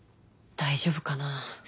大丈夫かな。